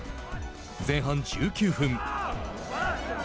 前半１９分。